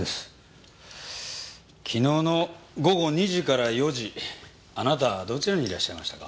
昨日の午後２時から４時あなたどちらにいらっしゃいましたか？